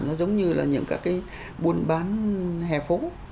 nó giống như là những các cái buôn bán hè phố